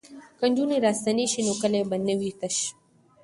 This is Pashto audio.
که نجونې راستنې شي نو کلی به نه وي تش.